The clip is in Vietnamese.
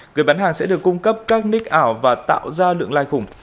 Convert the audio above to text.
người bán hàng sẽ được cung cấp các nick ảo và tạo ra lượng lai khủng